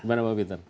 gimana pak peter